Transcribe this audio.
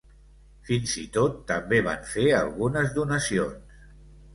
Fins i tot també van fer algunes donacions.